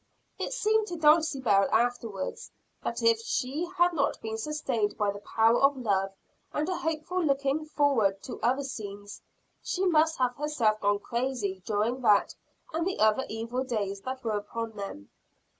It seemed to Dulcibel afterwards, that if she had not been sustained by the power of love, and a hopeful looking forward to other scenes, she must have herself gone crazy during that and the other evil days that were upon them.